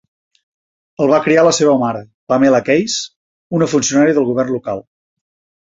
El va criar la seva mare, Pamela Case, una funcionària del govern local.